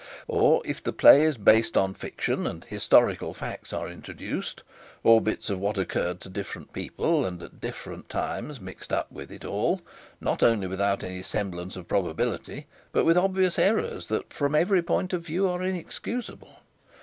or, if the play is based on fiction and historical facts are introduced, or bits of what occurred to different people and at different times mixed up with it, all, not only without any semblance of probability, but with obvious errors that from every point of view are inexcusable?